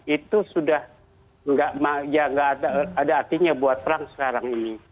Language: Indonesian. itu sudah tidak ada artinya buat perang sekarang ini